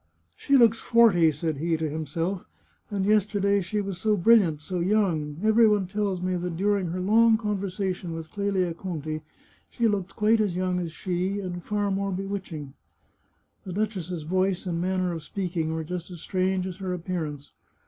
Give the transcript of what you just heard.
" She looks forty," said he to himself, " and yesterday she was so brilliant, so young; every one tells me that during her long conversation with Clelia Conti she looked quite as young as she, and far more bewitching." The duchess's voice and manner of speaking were just as strange as her appearance.